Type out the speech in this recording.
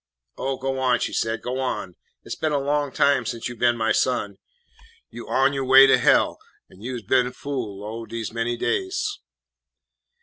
"Oh, go on," she said, "go on. It 's been a long time sence you been my son. You on yo' way to hell, an' you is been fu' lo dese many days."